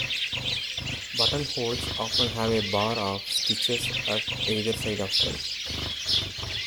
Buttonholes often have a bar of stitches at either side of them.